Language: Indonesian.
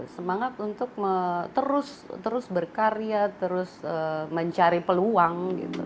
semangat untuk terus berkarya terus mencari peluang